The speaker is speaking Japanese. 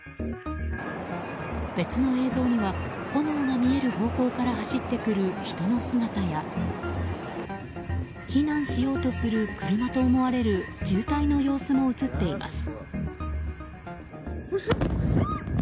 別の映像には炎が見える方向から走ってくる人の姿や避難しようとする車と思われる渋滞の様子も映っています。